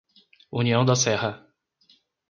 União da Serra